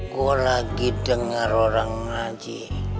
gue lagi dengar orang ngaji